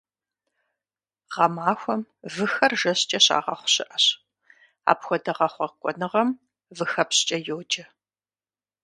Гъэмахуэм выхэр жэщкӏэ щагъэхъу щыӏэщ, апхуэдэ гъэхъуэкӏуэныгъэм выхэпщкӏэ йоджэ.